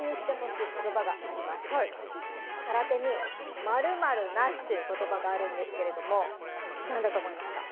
「空手に〇〇なし」という言葉があるんですけれども何だと思いますか？